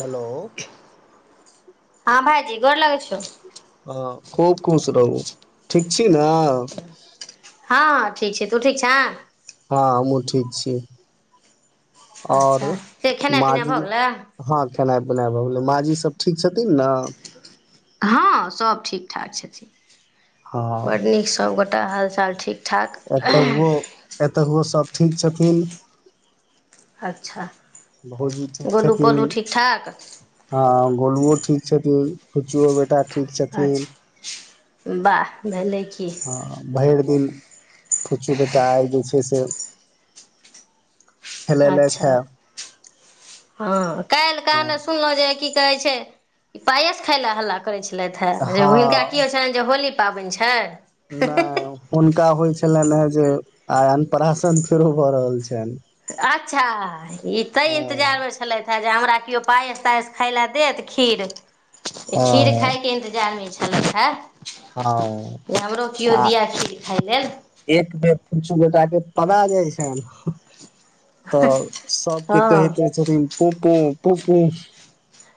Hello हँ भाईजी गोर लगै छियौ हँ खूब खुश रहू ठीक छी। न हँ हँ ठीक छै। तू ठीक छैं। हँ हमू ठीक छी आओर अच्छा से खेनाइ पिनाइ माँजी भऽ गेलै मातु खेनाइ पिनाय भ गेलइ माँजी सब ठीक छथिन न हँ सब ठीक ठाक छथिन हँ बड़ नीक सभगोटा हालचाल ठीक ठाक एतहुओ एतहुओ सभ ठीक छथिन अच्छा भौजी ठीक गोलू पोलू छथिन ठीक ठाक हँ गोलुओ ठीक छथिन फुच्चुओ बेटा ठीक छथिन अच्छा वाह भेलै की हँ भरि दिन फुच्चू बेटा आइ जे छै। से खेलएलैथ अच्छा हैं हँ काल्हि कहाँदनि सुनलौं जे की कहय छै। इ पायस खाय ले हल्ला करै छै। छेलथि हैं जे हिनका की होइ छेलनि जे होली पावनि छै नै कोन उ का होइ छलने हे जे आ अनप्राशन फेरो भऽ रहल छेन अच्छा ई ते इंतजार हँ मे छले है जे हमरा केउ पारस तारस खाय ल देत खीर खीर हँ खाय के इंतजार मे छै। उ है हँ आ खीर खाय लेल एक बेर पूछ अ बेटा के पदा जाइ छैन तऽ सभके कहेते हँ छथिन पुपू पुपू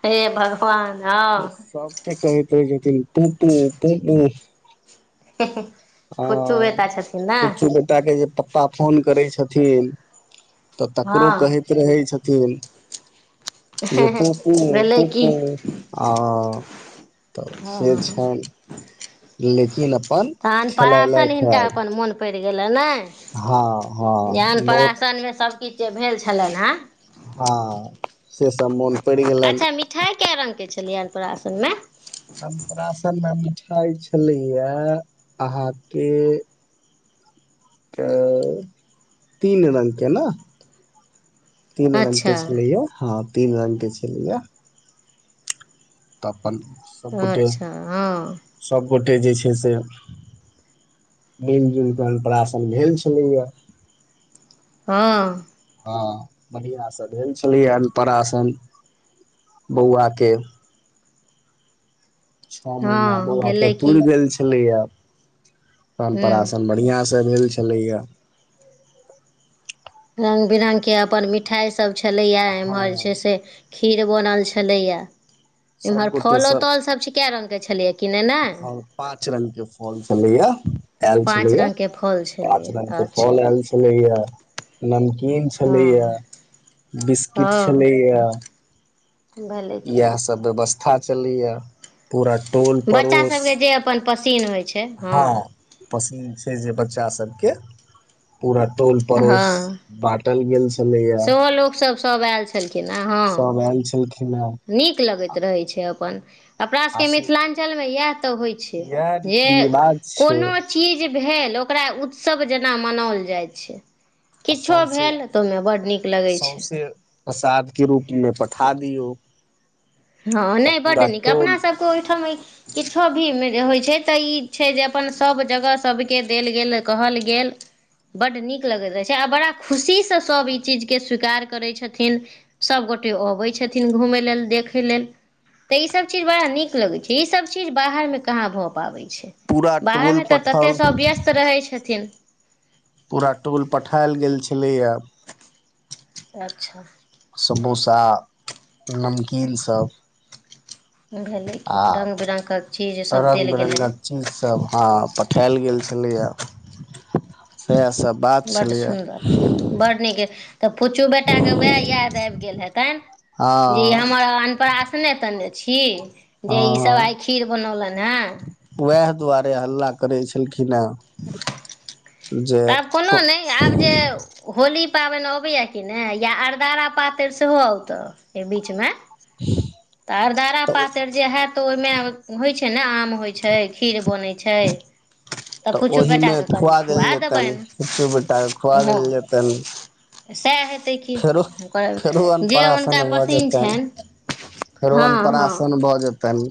हे भगवान हँ सब ठ कहैत रहैत छथिन पुपू पुपू ह फुच्चू बेटा छथिन ने पुछु बेटा के जे पप्पा पप्पा फोन करै छथिन तऽ तकरो हँ कहैत रहै छथिन जे पुपू भेलै की पुपू आ तऽ से छन लेकिन अप्पन तहन अन्नप्राशन हिनका अपन मोन प‌इर गेलन ने हँ जहन हँ नोत अन्नप्राशन मे सभकिछ जे भेल छलेन हेँ हँ से सब मोन प‌इड़ गेलन न कै रंग के छलियै अन्नप्राशन मे अन्नप्राशन में मिठाई छलैया आहाँ के त तीन रंग के न तीन रंग अच्छा के छलैया हँ तीन रंग के छलैया तऽ अपन सभ गोटे अच्छा हँ सभगोटे जे छै। से मिल जुल के अन्नप्राशन भेल छलैया हँ हँ बढ़ियाँ से भेल छलिया अन्नप्राशन बौआ के छौ महीना हँ बौआ के भेलै की पुर गेल छलेया हूँ अन्नप्राशन बढ़िया से भेल छलैया रंग बिरंग के अपन मिठाई सभ छलैया एम्हर छै हँ से खीर बनल छलैया सब गोटे सँ के छले कि ने ने फल पाँच रंग के फल छलैया ऐल पांच छलैया रंग के फल छले पाँच रंग के फल अच्छा ऐल छलैया नमकीन छलैया हँ बिस्किट हँ छलैया भेलै कि इहै सब व्यवस्था चलैया पूरा टोल बच्चा पड़ोस सभके जे अपन पसिन्न होइ छै हँ पसंद से जे बच्चा सब के पूरा टोल पड़ोस हँ बाँटल गेल छलैया सेहो लोकसभ सभ ऐल छलखिन आ हँ सब आयल छलखिन हेँ नीक लगैत रहैत छै अपन अपना सबके आस मिथिलांनचल इ है तऽ होइ छै। इएह जे रीति रिवाज छै कोनो चीज भेल ओकरा उत्सव जेना मनोल जाय छै। आ किछो सौंसे भेल त ओहिमे ब सौंसे प्रसाद के रूप मे पठा दियऔ हँ नहि बड्ड नीक अपना टोल सबक ओहिठाम कि छ भी जे होइ छै। तऽ ई छै। जे अपन सभ जगह सभके देल गेल कहल गेल बड नीक लगैत रहै छै। आ बड़ा खुशी से सभ ई चीज के स्वीकार करैत छथिन सभ गोटे गोटे अबै छथिन घूम लेल देख देखे लेल ते इ सब चीज बड़ा नीक लगे छै। इ सब चीज बाहर में कहाँ भए पाबे छै। छै। पूरा टोल बाहरमे तऽ पठाओल ततेक सभ व्यस्त रहै छथिन पूरा टोल पठायल गेल छलैया अच्छा समोसा नमकीन सभ भेलै कि आ रङ्ग बिरङ्गके चीज सभ रंग देल गेलै बिरंगगक चीज सब हँ प उठाएल गेल छलैय सेहासब। बड्ड सुंदर बड्ड नीक तऽ पुछू बेटाके उएह याद आबि गेल हेतनि। जे हँ हमर अनप्रास नेत छी जे इ सब आइ हँ खीर बनौलनि हेँ उएह दुआरे हल्ला करै छलखिन्ह। तऽ आब कोनो नै आब जे होली पाबनि अबैया कि नै या अरदारा पातरि सेहो अत अय बीच में। तऽ अरदारा तऽ पातरि जे होयत ओहिमे होइ छै। ने आम होइ छै खीर बनय छै। तऽ पुछु ओहि बेटा मे कऽ कनि देल खुआ जेतनि देबनि किछु बेटा के खुआ ह देल जेतनि सएह हेतै की फेरो फेरो ओं जे अनपराशन हुनका भऽ पासिन्न जेतनि छनि। फेरो हँ हँ अन्नप्रासन भऽ जेतनि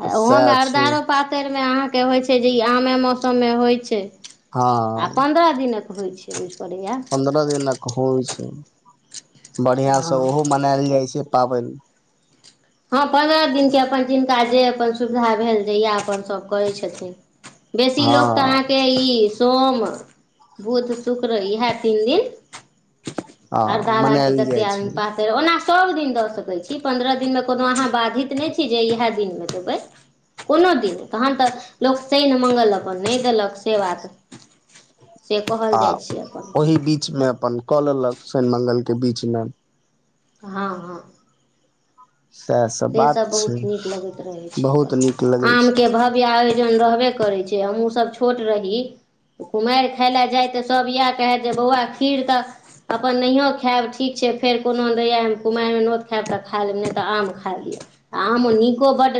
आ तऽ ओहोमे सएह छै अरदारो पातरि मे अहाँ के होइत छै जे ई आमे मौसम मे होइत छै। हँ आ पन्द्रह दिनक होइ छै इ। पन्द्रह दिनक होइ छै बढ़ियां स हँ ओहो मनायल जाइ छै। पाबनि हँ पन्द्रह दिनके अपन जिनका जे अपन सुविधा भेल जहिया अपन सभ करय छथिन। बेसी हँ लोक तऽ अहाँके इ सोम बुध शुक्र ऐहा तीन दिन हँ अरदारा के मनायल कते जाइ आदमी छै पातरि ओना सब दिन दऽ सकैत छी पन्द्रह दिनमे कोनो अहाँ बाधित नै छी जे इएह दिनमे देबै कोनो दिन तहन तऽ लोक शनि मङ्गल अपन नै देलक से बात से कहल आ जाइ छै अपन ओही बीचमे अपन कऽ लेलक शनि मंगलके बीचमे हां हां सएह सब बात सेसब बहुत छै नीक लगैत रहैत बहुत नीक छै। लगै आम छै के भव्य आयो हुं रहबे करय छै। हमहुूँ सब छोट रही कुमारि खाय लए जाय तऽ सब इहा कहथि जे बौआ खीर तऽ अपन नहिओ खायब ठीक छै। फेर कोनो दैया एहन कुमारि मे नोत खायब तऽ खा लेब नहि तऽ आम खा लिअ आ आम नीको बड्ड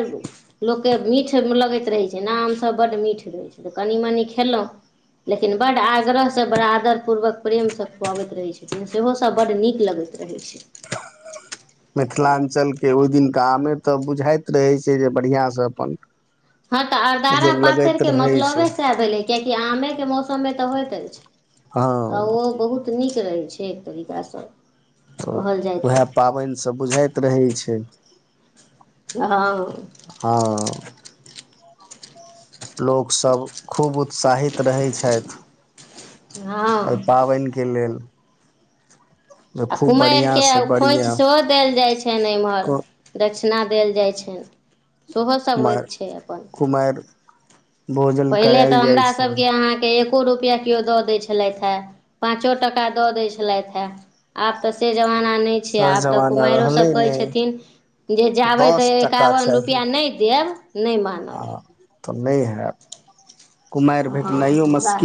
लोक के मिठ लगैत रहै छै। ने आम सब बड्ड मीठ दै छै तऽ कनि मनि खेलऊं लेकिन बड आग्रह स बड़ आदर पूर्वक प्रेम स खुआबैत रहय छथिन सेहो सभ बड नीक लगैत रहय छै। [inaudible] मिथिलांचल के ओहि दिनकामे तऽ बुझाइत रहै छै जे बढ़िआँ सअपन हँ तऽ अरदारा पातरि के मतलबे छै सेह भेलै कियाकि आमे के मौसम मे तऽ होइत अछि छै तऽ हँ ओ बहुत नीक रहय छै एक तरीका स तऽ उएह पाबनि स बुझायत रहै छै हां हँ अ अ लोक सब खूब उ उत्साहित रहै छथि हँ एहि पाबनि के लेल जे आ खूब बढ़िआँ कुमारिके आ से ओ खोइंछ बढ़िआँ सेहो देल जाइ छनि एम्हर दक्षिणा देल जाइ छनि सोहोसभ होइ कुमारि छै अपन कुमारि भोजन पहिले तऽ करायल जाइ हमरा छै सभ के अहाँके ए एको रुपया कियो दऽ दय छलथि हे पाँचो टका दऽ दै छलथि हे आब तऽ से जमाना नहि छै सर आब तऽ जमाना कुमारिओ सब रहलै कहै ने छथिन जे जाबै तऽ दस टका एकावन चाही रुपया नहि देब नहि आ मानब तऽ नहि हेब हँ हमरा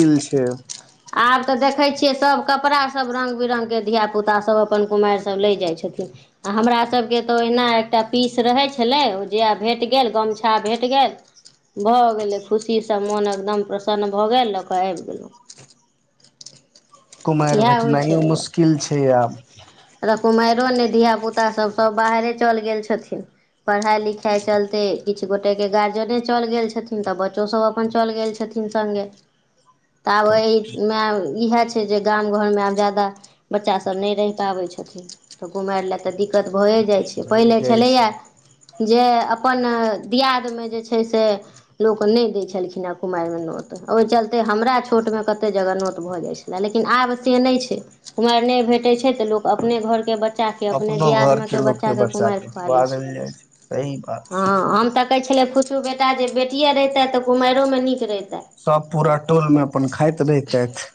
आब तऽ देखैत छियै सब कपड़ा सब रंग बिरंग के धिया पुता सब अपन कुमारि सब लै जाइ छथिन आ हमरा सब के त अना एकटा पीस रहै छलै ओ जे भेट गेल गमछा भेट गेल भऽ गेलै खुशीसँ मोन एकदम ेशन भऽ गेलऽ कऽ आबि गेलहुँ कुमारि इएह होइ भेटनाइयो मुश्किल छै आब छलै कुमार ो धिय पुता सब सब बाहरे चल गेल छथिन पढ़ाई लिखाई चलते किछ गोटे के गार्जियने चल गेल छथिन तऽ बच्चोसब अपन चल गेल छथिन तथिीन सङ्गे [inaudible] तऽ आब एहिहमे इएह छै जे गाम घरमे आब ज्यादा बच्चा सब रहि पाबै छथिनऽ घु लए तऽ दिक्कत तऽ भए जाइ छै भए पहिले जाइ छलैया छै जे अपन दियादमे जे छै से लोक नय दै छलखिन हेँ कुमारिमे नोत ओय चलते हमरा छोट मे कते जगह नौत भऽ जाइ छलै लेकिन लेकिन आब से नहि छै कुमायर नय भेटै छै तऽ लोक अपने घरके ब बच्चाके अपने अपनो घर दियादमे के लोक के बच्चाके बच्चा कुमारि के खुआ दै देल जाइ सही बात छै हँ हम तऽ कहै छलिए किुछु बेटा जे बेटियए रहितै तऽ कुमाररोमे नीक रहितै सभ पूरा टोलमे अपन खाइत रहितेथ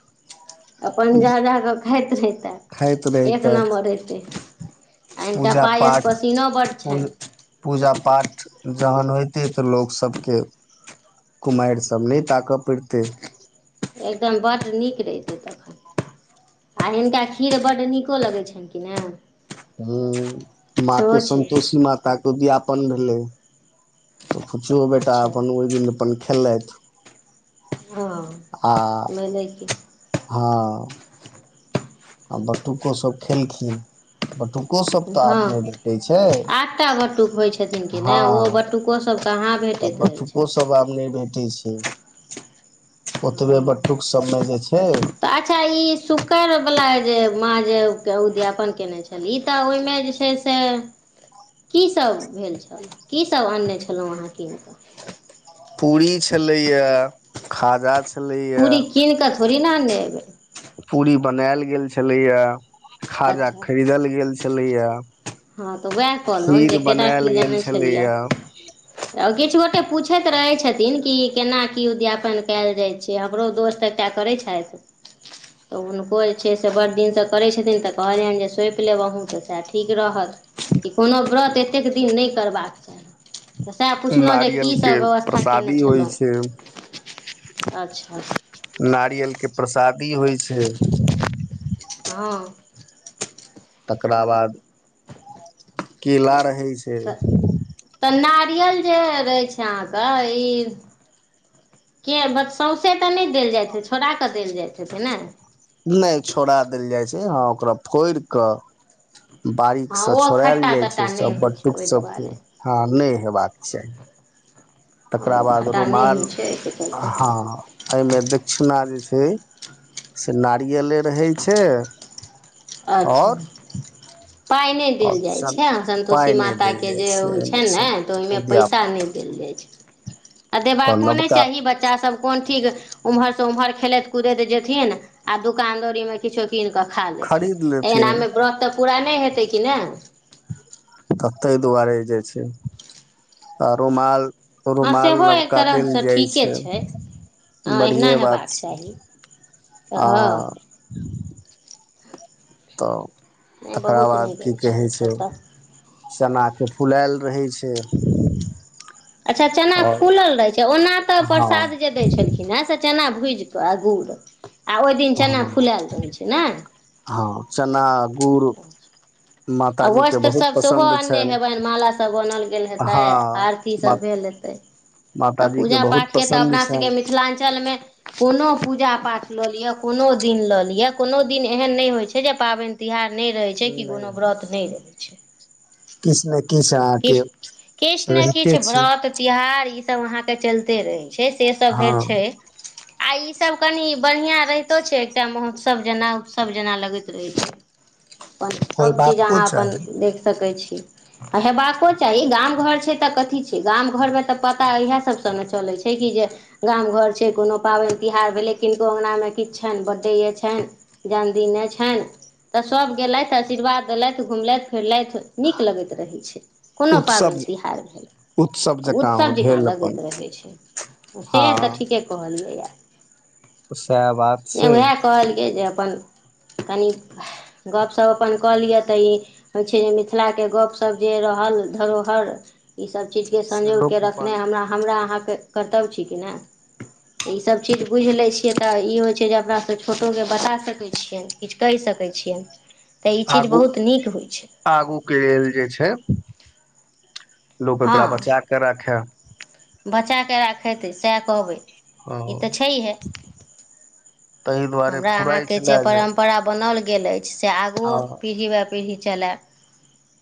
अपन जा जा कऽ खाइत रहितै खाइत एक रहितैथ नम्बर रयतै पूजा पाठ बड्ड पू छनि पूजा पाठ जहन होइतै तऽ लोक सभके कुमायर सब नय ताकपड़तै एकदम बड नीक रहिते तब आ हिनका खीर बड्ड नीको लगैत छनि कि ने ह माँके सन्तोषी माताके उद्यापन भेलै तऽ पुछियौ बेटा अच्छा अपन ओहि दिन अपन खेललयथ हँ मनेके हाँ आ बटुकोसब खेलखिन बटुको सब तऽ हँ आब नय भेटै छै आठटा बटुक होइ छथिन कि हँ नहि ओ बटुको सब कहाँ भेटैत तप रहै छथिन बटुकोसभ आब नय भेटै छै ओतबे हँ बटुक सबमे जे छै ला जे माँ जे उद्यापन कयने छली तऽ ओहिमे जे छै से कीसभ भेल छल कीसभ आनने छलो अहाँ कीन कऽ पुरी छले या खाजा छलैया पूरी कीन कऽ थोड़ी ने अनने एबै पूरी बनायल गेल छलैया खाजा अच्छा खरीदल गेल छलैया हँ तऽ उएह कहलहुँ जे केरा की गेल लेने छलियै छलैए किछ गोटे पूछेत रहे छथिन कि केना की उद्यापन कयल जाय छै हमरो दोस्त एटा करे छै तऽ हुनको जे छै से बड दिनसँ करै छथिन तऽ कहलियनि जे सौँप लेब अहूँ तऽ सएह ठीक रहल कोनो व्रत एतेक दिन नय करबाक चाही तऽ सेह पुछलहुँ जे नारियल के कीसभ व्यवस्था कयने प्रसादी होइ छलौ छै अच्छा नारियलके प्रसादी होय छै हाँ तकरा बाद केला रहै छै तऽ तऽ जे रहै छई ई के सौँसे तऽ नय देल जाइत ह छोड़ाके देल जाइत हेतै न नय छोड़ा देल जाइ छै हँ ओकरा फोड़ कऽ बारीक हँ से ओ छोड़ायल खट्टा जाइ छै तट्टा नहि सब होइ छै बटुक ओहि सबके दुआरे हँ नय हेबाक चाही तकरा ओ बाद खट्टा नहि रुमाल होइ छै एहिके चलते हँ एहिमे दक्षिणा जे छै से नारियले रहै छै अच्छा आओर पाई नहि देल जाइ ऑप्शन छै अ सन्तोषी पाइ नहि माता देल के जाइ जे होइ छै एहिमे ने सब तऽ ओहिमे पैसा उद्यापन नहि देल जाय छै आ आओर देबाको नहि नवका चाही बच्चासभ कोन ठीक ओम्हरसँ उम्हर खेलैत कुदैत जेथिन आ दोकान दौरीमे किछो कीन कऽ खा लेथिन खरीद लेथिन एनामे व्रत तऽ पूरा नहि हेतै कि नहि तऽ ताहि दुआरे जे छै आ रुमाल हँ रुमाल सेहो एक नवका देल तरहसँ जाइ ठीके छै हँ एहना बढ़िये बात हेबाक छै चाही तऽ आ हँ तऽ नहि तकरा बहुत बाद नीक की कहे अछि छै सभ तऽ चना के फुलायल रहे छै ए अच्छा चना फूलल रहैत छै ओना तऽ हँ प्रसाद जे दैत छलखिन हैं चना भुजि कऽ आ गूर आ ओहि दिन चना हँ फुलायल रहै छै ने गूड़ आ वस्त्रसभ सेहो अन्ने हेबनि मालासभ अनल गेल हेतै हँ आरतीसभ भेल हेतै तऽ माताजी पूजा बहुत पाठ के तऽ पसन्द अपना सभके छनि मिथिलांचलमे कोनो पूजा पाठ लऽ लिअ कोनो दिन लऽ लिअ कोनो दिन एहन नहि होइ छै जे पाबनि तिहार नहि रहै छै कि कोनो व्रत नहि रहै छै किछु ने किछु अहाँके किछु किछु ने रहिते किछु छै व्रत तिहार ई सब अहाँके चलते रहे छै से सब धैर हँ छै आ ईसभ कनि बढ़ियाँ रहितो छै एकटा महोत्सव जेना उत्सव जेना लगैत रहैत छै अपन सभचीज होयबाको अहाँ अपन चाही देख सकै छी आ हेबाको चाही गाम घर छै तऽ कथी छै गाम घरमे तऽ पता इएह सबसे न चलै छै कि जे गाम घर छै कोनो पाबनि तिहार भेलै किनको अंगना मे किछु छनि बड्डे ये छनि जन्मदिने छनि तऽ सब गेलथि आशीर्वाद देलथि घुमलथि फिरलथि नीक लगैत रहै छै कोनो उत्सव पाबनि तिहार भेल उत्सव आ उत्सव जकाँ भेल लगैत अपन रहै छै से तऽ हँ ठीके कहलियै सएह बात नहि छै उएह कहलियै जे अपन कनी गप सब अपन कऽ लिय तऽ ई छै जे मिथिला के गप सब सब जे रहल धरोहर ई सब चीज के से संजोग के लोक रखने अपन हमरा हमरा अहां के कर्तव्य छी कि नहि ईसभ चीज बुझि लै छियै तऽ ई होइ छै जे अपना सभ छोटोके बता सकैत छियै किछु कहि सकै सकै छियनि तऽ ई चीज आगू बहुत नीक होइ छै आगू के लेल जे छै लोक एकरा बचा क राखे बचाक राखयतै सएह कहबै ह ई तऽ छैहे ताहि दुआरे हमरा अहां फुराइ के छले जे परंपरा बनल गेल अछि से आगुओ हँ पीढ़ी वए पीढ़ी चलय